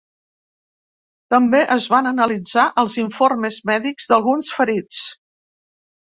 També es van analitzar els informes mèdics d’alguns ferits.